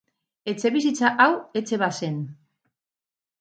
Etxebizitza hau etxe bat zen.